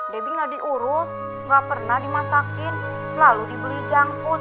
debbie gak diurus gak pernah dimasakin selalu dibeli jangkut